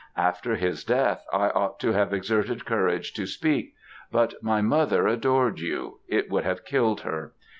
After his death, I ought to have exerted courage to speak; but my mother adored you it would have killed her.